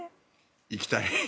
行きたい。